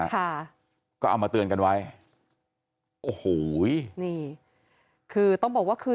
ค่ะก็เอามาเตือนกันไว้โอ้โห